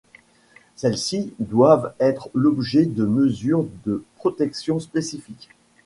Celles-ci doivent être l'objet de mesures de protection spécifiques.